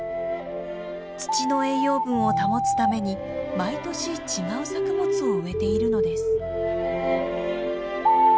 土の栄養分を保つために毎年違う作物を植えているのです。